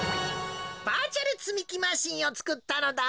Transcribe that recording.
バーチャルつみきマシーンをつくったのだ。